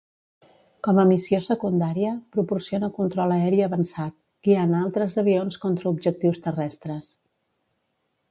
Com a missió secundària, proporciona control aeri avançat, guiant a altres avions contra objectius terrestres.